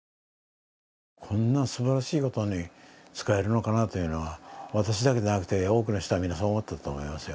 こんなすばらしいことを使えるのかなというのは、私だけじゃなくて、多くの人は皆そう思ったと思いますよ。